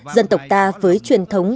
dân tộc ta với truyền thống